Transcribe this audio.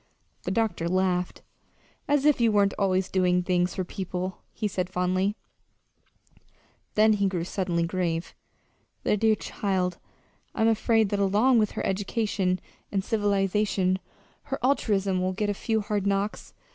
The doctor laughed. "As if you weren't always doing things for people," he said fondly. Then he grew suddenly grave. "The dear child! I'm afraid that along with her education and civilization her altruism will get a few hard knocks.